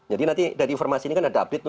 jadi nanti dari informasi ini kan ada update